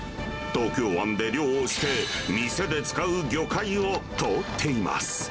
東京湾で漁をして、店で使う魚介を取っています。